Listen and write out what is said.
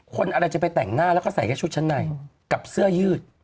คนอะไรจะไปแต่งหน้าแล้วก็ใส่แค่ชุดชั้นในกับเสื้อยืด